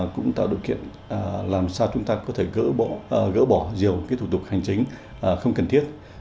cũng tạo điều kiện làm sao chúng ta có thể gỡ bỏ nhiều thủ tục hành chính không cần thiết